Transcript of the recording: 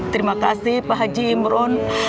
terima kasih pak haji imron